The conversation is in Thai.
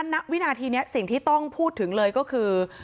ณวินาทีนี้สิ่งที่ต้องพูดถึงเลยก็คือ